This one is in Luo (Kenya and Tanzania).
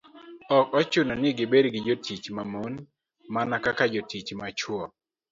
Ok ochuno ni gibed gi jotich ma mon, mana kaka jotich ma chwo.